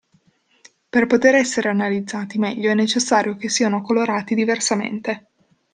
Per poter essere analizzati meglio è necessario che siano colorati diversamente.